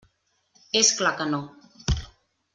És clar que no.